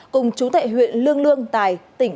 cùng chú tại huyện lương lương tài tỉnh